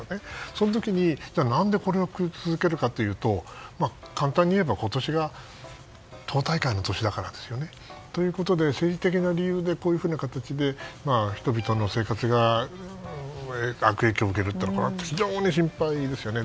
その時に何でこれを続けるかというと簡単に言えば、今年が党大会の年だからですよね。ということで、政治的な理由でこういうふうな形で人々の生活が悪影響を受けるのはこれは非常に心配ですよね。